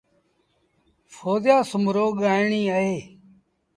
ڦوزيآ سومرو ڳآئيڻيٚ اهي۔